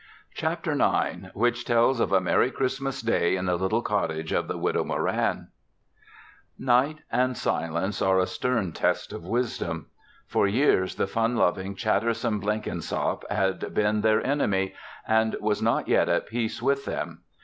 CHAPTER NINE WHICH TELLS OF A MERRY CHRISTMAS DAY IN THE LITTLE COTTAGE OF THE WIDOW MORAN Night and Silence are a stern test of wisdom. For years, the fun loving, chattersome Blenkinsop had been their enemy and was not yet at peace with them.